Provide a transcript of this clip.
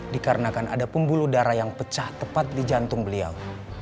dikarenakan ada pembuluh darah yang pecah tepat di jantung beliau